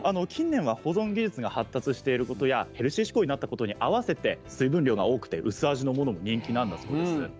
近年は保存技術が発達していることやヘルシー志向になったことに合わせて水分量が多くて薄味のものも人気なんだそうです。